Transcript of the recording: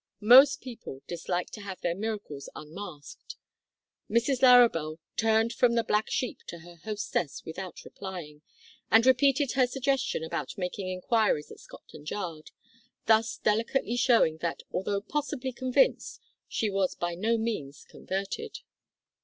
Most people dislike to have their miracles unmasked. Mrs Larrabel turned from the black sheep to her hostess without replying, and repeated her suggestion about making inquiries at Scotland Yard thus delicately showing that although, possibly, convinced, she was by no means converted.